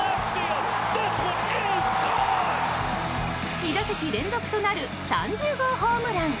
２打席連続となる３０号ホームラン。